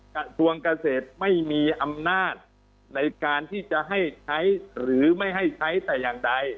กระทรวงเกษตรไม่มีอำนาจในการที่จะให้ใช้หรือไม่ให้ใช้แต่อย่างใด